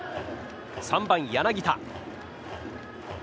３番、柳田。